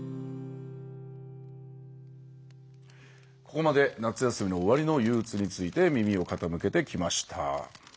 ここまで夏休みの終わりのゆううつについて耳を傾けてきました。